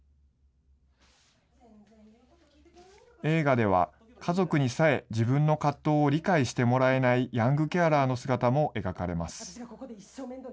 映画では、家族にさえ、自分の葛藤を理解してもらえないヤングケアラーの姿も描かれます。